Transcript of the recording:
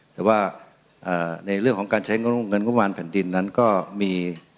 แต่ว่าในเรื่องของการใช้เงินงบประมาณแผ่นดินนั้นก็มี